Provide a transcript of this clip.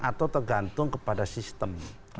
atau tergantung kepada sistem